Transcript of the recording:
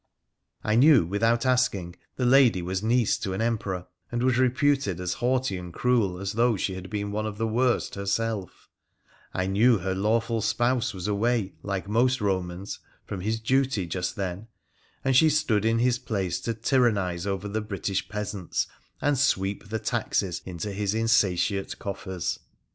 I knew, without asking, the lady was niece to an Emperor, and was reputed as haughty and cruel as though she had been one of the worst herself ; I knew her lawful spouse was away, like most Eomans, from his duty just then, and she stood in his place to tyrannise over the British peasants and sweep the taxes into his insatiate coffers.